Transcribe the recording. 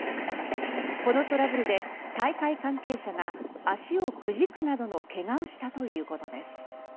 このトラブルで大会関係者が足をくじくなどの怪我をしたということです。